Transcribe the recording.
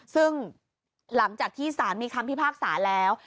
ซึ่งหลังจากที่สารมีคำพิพากษาแล้ว